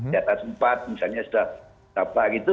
data sempat misalnya sudah apa gitu